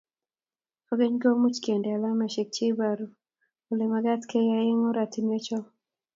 kogeny, komuch kendene alameshek cheibaru olemagat keyaii eng oratinwek choo